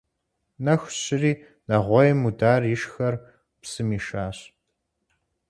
Нэху щыри нэгъуейм Мудар ишхэр псым ишащ.